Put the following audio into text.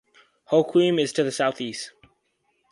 Hoquiam is to the southeast.